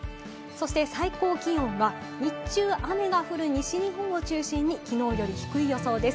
そして最高気温は日中、雨が降る西日本を中心にきのうより低い予想です。